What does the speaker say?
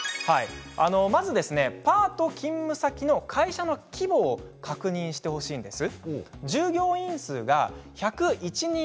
まずパート勤務先の会社の規模を確認してほしいんです。